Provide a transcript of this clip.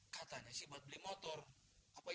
katanya si motor temannya